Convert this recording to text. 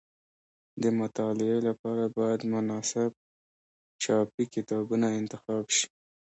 د مطالعې لپاره باید مناسب چاپي کتابونه انتخاب شي.